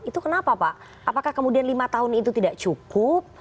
itu kenapa pak apakah kemudian lima tahun itu tidak cukup